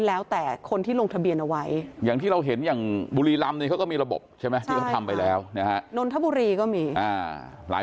แล้วแต่คนที่ลงทะเบียนเอาไว้